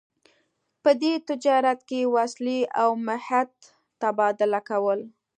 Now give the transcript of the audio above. په دې تجارت کې وسلې او مهت تبادله کول.